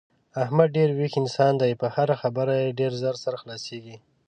احمد ډېر ویښ انسان دی په هره خبره یې ډېر زر سر خلاصېږي.